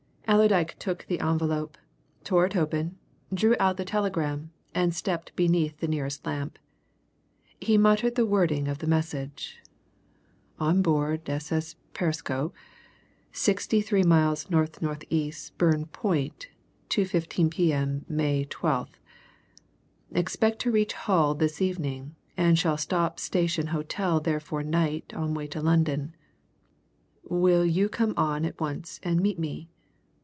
Allerdyke took the envelope, tore it open, drew out the telegram, and stepped beneath the nearest lamp. He muttered the wording of the message "On board SS. Perisco "63 miles N.N.E. Spurn Point, 2.15 p.m., May 12_th_. "Expect to reach Hull this evening, and shall stop Station Hotel there for night on way to London. Will you come on at once and meet me?